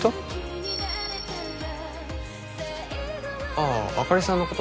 あああかりさんのこと？